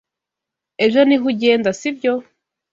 Ejo niho ugenda, sibyo?